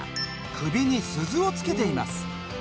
首に鈴をつけています。